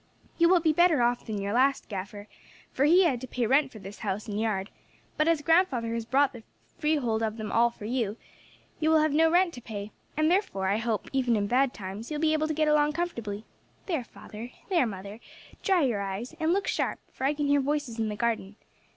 You will be better off than your last gaffer, for he had to pay rent for this house and yard, but, as grandfather has bought the freehold of them all for you, you will have no rent to pay; and therefore I hope, even in bad times, you will be able to get along comfortably. There, father, there, mother, dry your eyes, and look sharp, for I can hear voices in the garden.